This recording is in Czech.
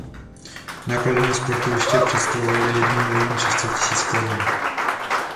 Náklady na sportoviště představovaly jeden milion šest set tisíc korun.